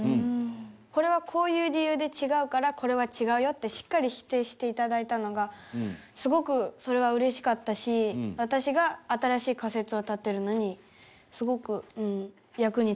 「これはこういう理由で違うからこれは違うよ」ってしっかり否定して頂いたのがすごくそれは嬉しかったし私が新しい仮説を立てるのにすごく役に立ったと思います。